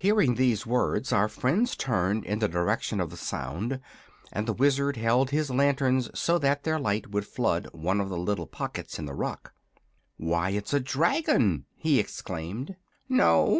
Hearing these words our friends turned in the direction of the sound, and the Wizard held his lanterns so that their light would flood one of the little pockets in the rock. "Why, it's a dragon!" he exclaimed.